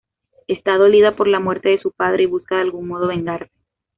Está dolida por la muerte de su padre y busca de algún modo vengarse.